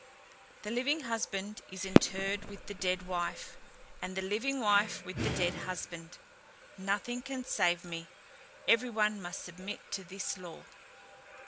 The living husband is interred with the dead wife, and the living wife with the dead husband. Nothing can save me; every one must submit to this law."